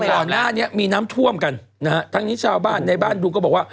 เพราะเหล่าน่านั้นมีน้ำท่วมกันทั้งนี้ชาวบ้านในบ้านดูกอ่ะบอก